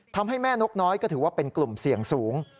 ทำให้แม่นกน้อยก็ถือว่าเป็นกลุ่มเสี่ยงสูง